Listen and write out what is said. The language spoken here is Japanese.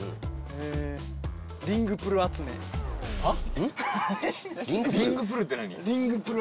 はっ？